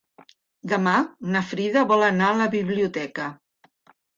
Demà na Frida vol anar a la biblioteca.